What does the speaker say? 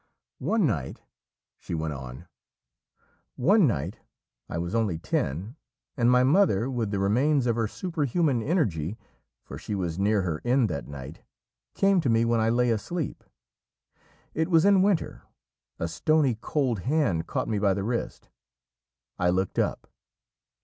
"One night," she went on, "one night I was only ten and my mother, with the remains of her superhuman energy, for she was near her end that night, came to me when I lay asleep. It was in winter; a stony cold hand caught me by the wrist. I looked up.